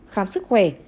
khám sức khỏe